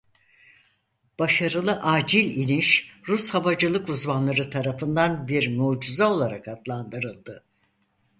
Başarılı acil iniş Rus havacılık uzmanları tarafından bir mucize olarak adlandırıldı.